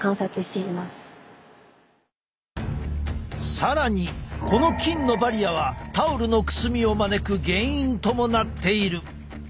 更にこの菌のバリアはタオルのくすみを招く原因ともなっている！